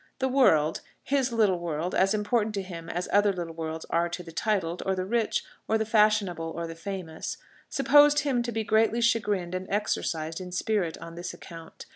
The world his little world, as important to him as other little worlds are to the titled, or the rich, or the fashionable, or the famous supposed him to be greatly chagrined and exercised in spirit on this account.